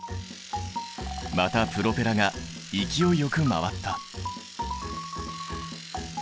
またプロペラが勢いよく回った。